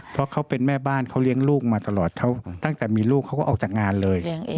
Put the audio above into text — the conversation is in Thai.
เพราะเขาเป็นแม่บ้านเขาเลี้ยงลูกมาตลอดตั้งแต่มีลูกเขาก็ออกจากงานเลย